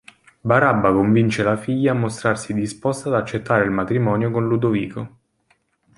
Barabba convince la figlia a mostrarsi disposta ad accettare il matrimonio con Ludovico.